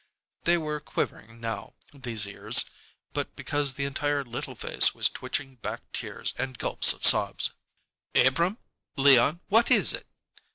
They were quivering now, these ears, but because the entire little face was twitching back tears and gulp of sobs. "Abrahm Leon what is it?"